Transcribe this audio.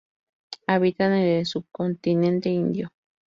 Habitan en el subcontinente indio.